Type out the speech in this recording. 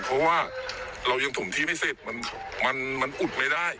เพราะว่าเรายังถมที่ไม่เสร็จมันอุดไม่ได้